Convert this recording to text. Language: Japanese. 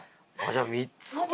じゃあ３つこれ。